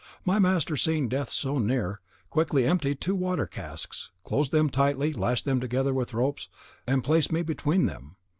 My master, seeing death so near, quickly emptied two water casks, closed them tightly, lashed them together with ropes, and placed me between them.